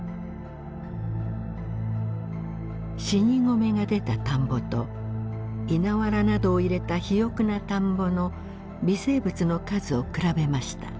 死に米が出た田んぼと稲わらなどを入れた肥沃な田んぼの微生物の数を比べました。